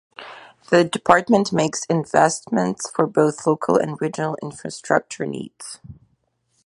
The department makes investments for both local and regional infrastructure needs.